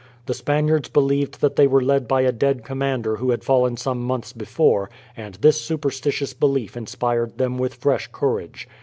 The Spaniards believed that they were led by a dead commander who had fallen some months before, and this superstitious belief inspired them with fresh courage.